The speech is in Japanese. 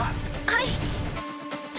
はい。